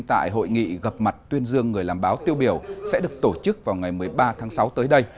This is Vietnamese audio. tại hội nghị gặp mặt tuyên dương người làm báo tiêu biểu sẽ được tổ chức vào ngày một mươi ba tháng sáu tới đây